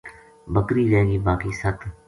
بکری رہ گئی باقی ست